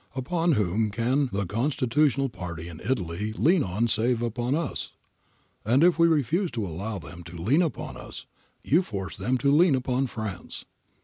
Upon whom can the constitutional party in Italy lean save upon us ? And if we refuse to allow them to lean upon us, you force them to lean upon France.